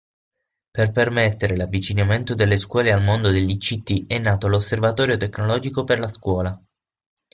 Per permettere l'avvicinamento delle scuole al mondo dell'ICT è nato l'Osservatorio Tecnologico per la Scuola.